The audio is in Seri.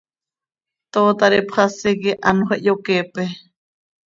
Tootar ipxasi quih anxö iyoqueepe.